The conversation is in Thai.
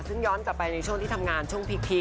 ซึ่งย้อนต่อไปในช่วงที่ทำงานช่วงพีคเนอะ